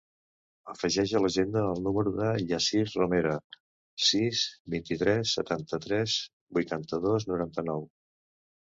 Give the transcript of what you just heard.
Afegeix a l'agenda el número del Yassir Romera: sis, vint-i-tres, setanta-tres, vuitanta-dos, noranta-nou.